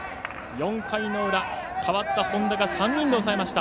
４回の裏、代わった本田が３人で抑えました。